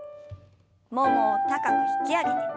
ももを高く引き上げて。